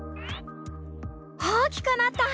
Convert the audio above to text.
大きくなった！